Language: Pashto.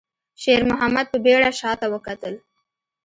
شېرمحمد په بيړه شاته وکتل.